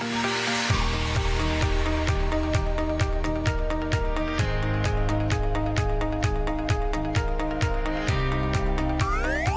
คุณผู้ชมครับมาชิมด้วยกันนะครับ